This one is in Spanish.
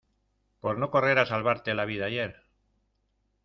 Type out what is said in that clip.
por no correr a salvarte la vida ayer.